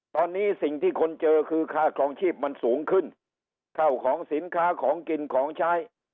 ตอนนี้สิ่งที่คนเจอคือค่าครองชีพมันสูงขึ้นเข้าของสินค้าของกินของใช้